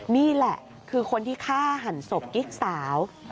นี่แหละคือคนที่ฆ่าหันศพกิ๊กสาว